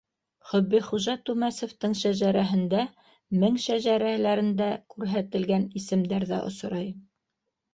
Хөббихужа Түмәсевтың шәжәрәһендә мең шәжәрәләрендә күрһәтелгән исемдәр ҙә осрай.